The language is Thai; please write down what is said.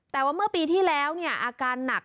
แต่ว่าเมื่อปีที่แล้วอาการหนัก